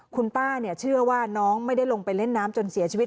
คุณป้าเชื่อว่าน้องไม่ได้ลงไปเล่นน้ำจนเสียชีวิต